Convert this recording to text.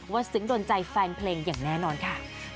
ซึ้งโดนใจแฟนเพลงอย่างแน่นอนค่ะ